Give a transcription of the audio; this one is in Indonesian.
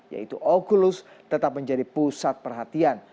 yaitu oculus tetap menjadi pusat perhatian